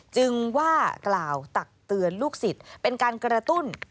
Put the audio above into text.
จึงว่ากล่าวตักเตือนลูกศิษย์เป็นการกระตุ้น